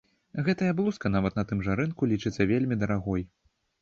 Гэтая блузка, нават на тым жа рынку, лічыцца вельмі дарагой.